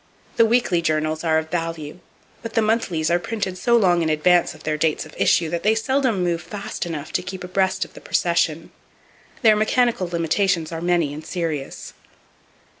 The weekly journals are of value, but the monthlies are printed so long in advance of their dates of issue that they seldom move fast enough to keep abreast of the procession. Their mechanical limitations are many and serious.